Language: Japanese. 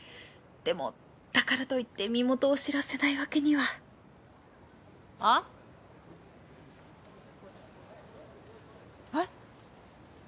でもだからといって身元を知らせないわけにはあっ？えっ？